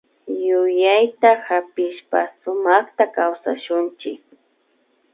Yuyayta hapishpa sumakta kawsashunchik